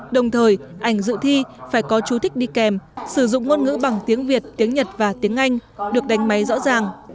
đồng thời ảnh dự thi phải có chú thích đi kèm sử dụng ngôn ngữ bằng tiếng việt tiếng nhật và tiếng anh được đánh máy rõ ràng